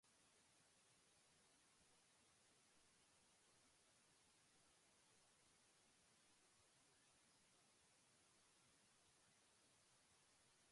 Sandra è nuovamente voce di Enigma in "The Cross of Changes", il secondo album.